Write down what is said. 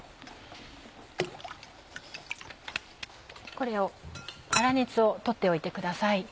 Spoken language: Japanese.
これを粗熱をとっておいてください。